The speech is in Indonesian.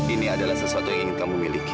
ini adalah sesuatu yang ingin kamu miliki